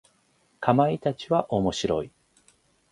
かまいたちは面白い。